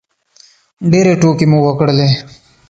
ډېرې ټوکې مو وکړلې